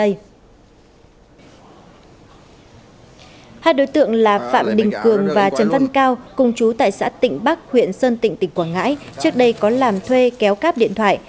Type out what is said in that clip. hai đối tượng là phạm đình cường và trần văn cao cùng chú tại xã tịnh bắc huyện sơn tịnh tỉnh quảng ngãi trước đây có làm thuê kéo cáp điện thoại